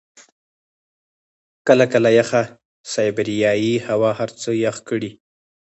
کله کله یخه سایبریايي هوا هر څه يخ کړي.